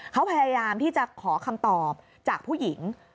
เขาพยายามที่จะขอคำตอบจากผู้หญิง